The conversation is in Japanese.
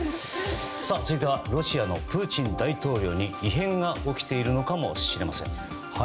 続いてはロシアのプーチン大統領に異変が起きているのかもしれません。